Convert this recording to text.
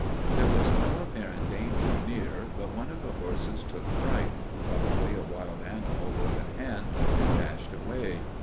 There was no apparent danger near but one of the horses took fright (probably a wild animal was at hand) and dashed away.